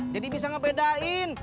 jadi bisa ngebedain